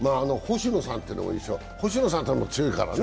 星野さんっていうのも強いからね。